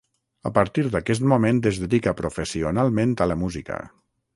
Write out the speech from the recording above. A partir d'aquest moment es dedica professionalment a la música.